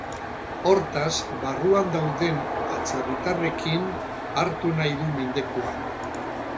Hortaz, barruan dauden atzerritarrekin hartu nahi du mendekua.